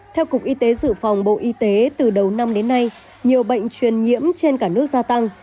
theo cục y tế dự phòng bộ y tế từ đầu năm đến nay nhiều bệnh truyền nhiễm trên cả nước gia tăng